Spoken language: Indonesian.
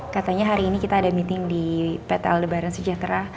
katanya hari ini kita ada meeting di ptl lebaran sejahtera